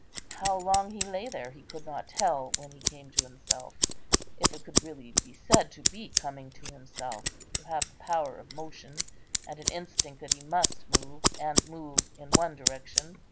How long he lay there he could not tell, when he came to himself; if it could really be said to be coming to himself to have the power of motion, and an instinct that he must move, and move in one direction.